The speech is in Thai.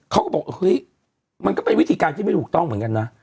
เขาก็บอกเฮ้ยมันก็เป็นวิธีการที่ไม่ถูกต้องเหมือนกันนะ